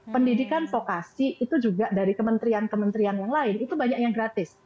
pendidikan vokasi itu juga dari kementerian kementerian yang lain itu banyak yang gratis